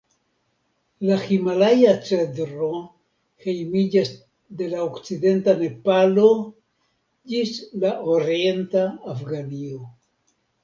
La himalaja-cedro hejmiĝas de la okcidenta Nepalo ĝis la orienta Afganio.